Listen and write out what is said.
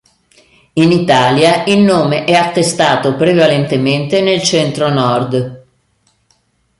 In Italia, il nome è attestato prevalentemente nel Centro-Nord.